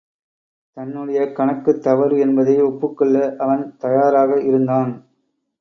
தன்னுடைய கணக்குத் தவறு என்பதை ஒப்புக் கொள்ள அவன் தயாராக இருந்தான்.